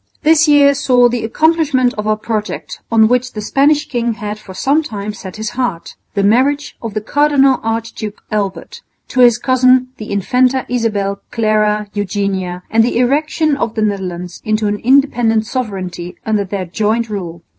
This year saw the accomplishment of a project on which the Spanish king had for some time set his heart the marriage of the Cardinal Archduke Albert to his cousin the Infanta Isabel Clara Eugenia, and the erection of the Netherlands into an independent sovereignty under their joint rule.